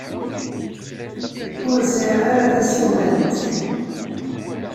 Ur sɛiɣ ara tasiwant.